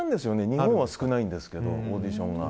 日本は少ないんですけどオーディションが。